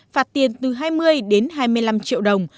phạt tiền từ hai mươi đến hai mươi năm triệu đồng